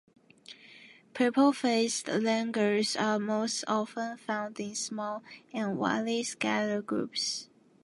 Purple-faced langurs are most often found in small and widely scattered groups.